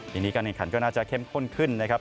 ปีนี้การแข่งขันก็น่าจะเข้มข้นขึ้นนะครับ